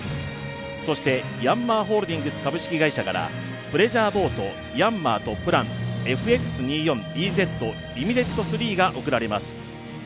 そして、ヤンマーホールディングス株式会社からプレジャーボート、ヤンマー・トップランＦＸ２４ＥＺ．ＬＴＤⅢが贈られます。